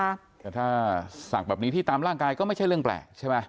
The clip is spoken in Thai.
แต่ถ้าศักดิ์แบบนี้ที่ตามร่างกายก็ไม่ใช่เรื่องแปลกใช่ไหม